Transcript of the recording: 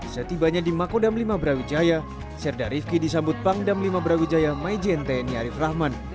setibanya di makodam v brawijaya serda rivki disambut pangdam v brawijaya majen tni arief rahman